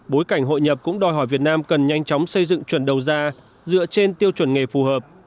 bối cảnh hội nhập cũng đòi hỏi việt nam cần nhanh chóng xây dựng chuẩn đầu ra dựa trên tiêu chuẩn nghề phù hợp